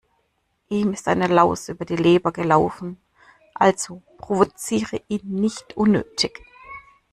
Ihm ist eine Laus über die Leber gelaufen, also provoziere ihn nicht unnötig.